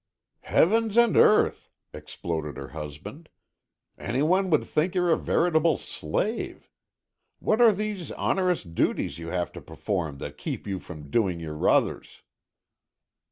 "Heavens and earth," exploded her husband, "any one would think you a veritable slave! What are these onerous duties you have to perform that keep you from doing your ruthers?"